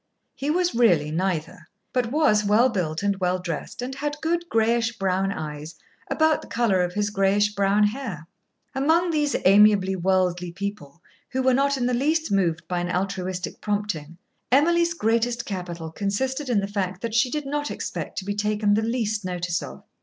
He was really neither, but was well built and well dressed, and had good grayish brown eyes, about the colour of his grayish brown hair. Among these amiably worldly people, who were not in the least moved by an altruistic prompting, Emily's greatest capital consisted in the fact that she did not expect to be taken the least notice of.